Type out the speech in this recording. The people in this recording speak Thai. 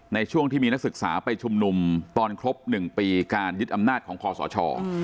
ในช่วงที่มีนักศึกษาไปชุมนุมตอนครบ๑ปีการยึดอำนาจของคอสช